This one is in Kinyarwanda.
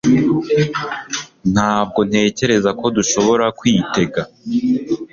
Ntabwo ntekereza ko dushobora kwitega